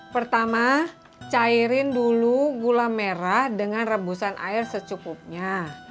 pertama cairin dulu gula merah dengan rebusan air secukupnya